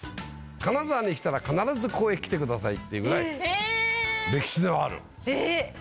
金沢に来たら必ずここへ来てくださいっていうぐらい歴史のある。